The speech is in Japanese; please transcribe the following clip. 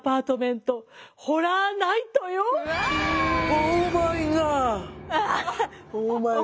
オーマイガー！